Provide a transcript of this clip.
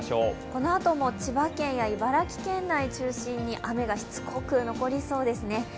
このあとも千葉県や茨城県内を中心に、雨がしつこく残りそうですね。